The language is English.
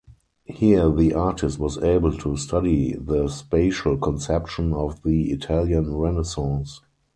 Here the artist was able to study the spatial conception of the Italian Renaissance.